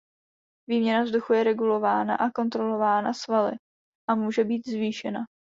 Výměna vzduchu je regulována a kontrolována svaly a může být zvýšena.